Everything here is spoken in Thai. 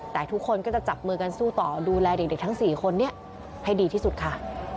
แต่ทุกคนก็จะจับมือกันสู้ต่อดูแลเด็กทั้ง๔คนนี้ให้ดีที่สุดค่ะ